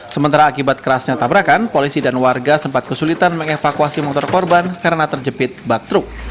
sementara akibat kerasnya tabrakan polisi dan warga sempat kesulitan mengevakuasi motor korban karena terjepit bak truk